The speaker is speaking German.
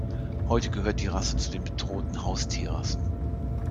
Heute gehört die Rasse zu den bedrohten Haustierrassen.